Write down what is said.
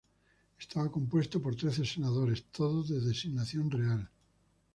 Estaba compuesto por trece senadores, todos de designación real.